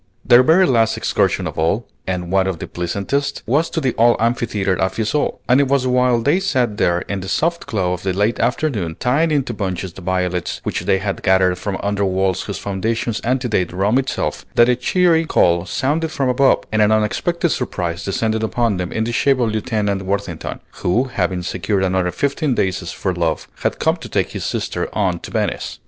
Their very last excursion of all, and one of the pleasantest, was to the old amphitheatre at Fiesole; and it was while they sat there in the soft glow of the late afternoon, tying into bunches the violets which they had gathered from under walls whose foundations antedate Rome itself, that a cheery call sounded from above, and an unexpected surprise descended upon them in the shape of Lieutenant Worthington, who having secured another fifteen days' furlough, had come to take his sister on to Venice.